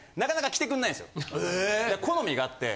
好みがあって。